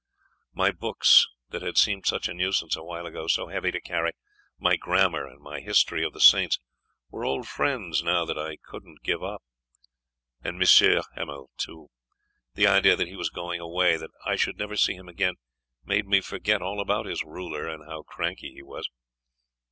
My books, that had seemed such a nuisance a while ago, so heavy to carry, my grammar, and my history of the saints, were old friends now that I couldn't give up. And M. Hamel, too; the idea that he was going away, that I should never see him again, made me forget all about his ruler and how cranky he was.